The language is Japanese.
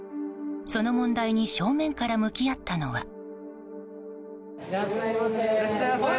その問題に正面から向き合ったのは。